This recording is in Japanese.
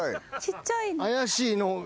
怪しいの。